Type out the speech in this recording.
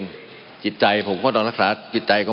มันมีมาต่อเนื่องมีเหตุการณ์ที่ไม่เคยเกิดขึ้น